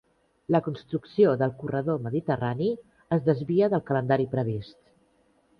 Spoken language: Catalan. La construcció del corredor mediterrani es desvia del calendari previst